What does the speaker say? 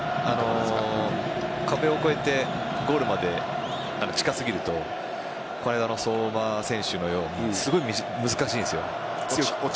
壁を越えてゴールまで近すぎるとこの間の相馬選手のようにすごく難しいんですよ。